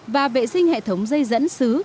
và vệ sinh hệ thống dây dẫn xứ